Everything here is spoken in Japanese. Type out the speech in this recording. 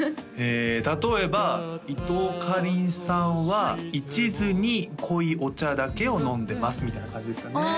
例えば伊藤かりんさんは一途に濃いお茶だけを飲んでますみたいな感じですかね